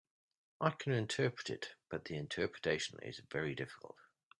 I can interpret it, but the interpretation is very difficult.